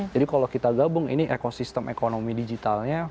jadi kalau kita gabung ini ekosistem ekonomi digitalnya